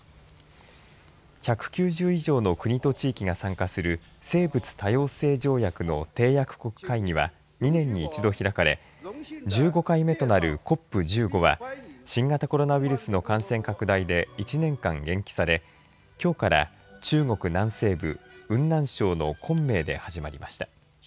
１９０以上の国と地域が参加する生物多様性条約の締約国会議は２年に１度開かれ１５回目となるＣＯＰ１５は新型コロナウイルスの感染拡大で１年間延期されきょうから中国南西部、雲南省の昆明で始まりました。